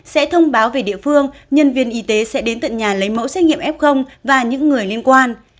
sẽ thông báo về địa phương nhân viên y tế sẽ đến tận nhà lấy mẫu xét nghiệm f và những người liên quan